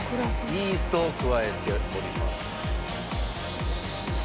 イーストを加えております。